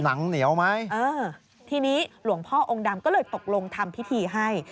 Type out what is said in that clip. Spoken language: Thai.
หนังเหนียวไหมเออทีนี้หลวงพ่อองค์ดำก็เลยตกลงทำพิธีให้